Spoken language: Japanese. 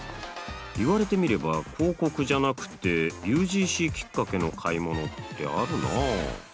言われてみれば広告じゃなくてＵＧＣきっかけの買い物ってあるなあ。